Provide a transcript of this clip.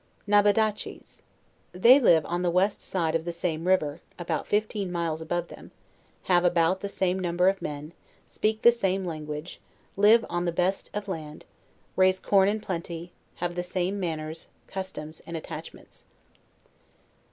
NABEDAOHES. They live on the west side of the same river, about fifteen miles above them; have about the same * number of men; speak the same language; live on the best of land; raise corn in plenty; have the same manners, customs and attachments.